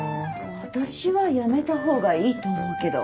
私はやめたほうがいいと思うけど。